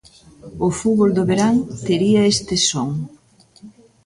O fútbol do verán tería este son.